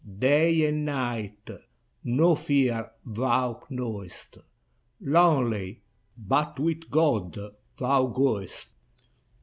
Day and night no fear thou knowest, Lonely, — but with God thou goest.